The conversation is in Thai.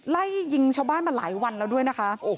ไล่ยิงชาวบ้านมาหลายวันแล้วด้วยนะคะ